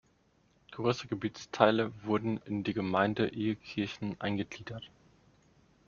Größere Gebietsteile wurden in die Gemeinde Ehekirchen eingegliedert.